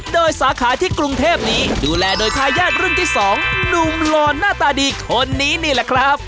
โดยสาขาที่กรุงเทพนี้ดูแลโดยทายาทรุ่นที่๒หนุ่มหล่อหน้าตาดีคนนี้นี่แหละครับ